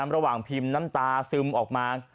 ระหว่างพิมพ์น้ำตาซึมออกมา